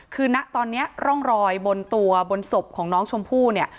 คือณตอนนี้ร่องรอยบนตัวบนศพของน้องชมพู่เนี่ย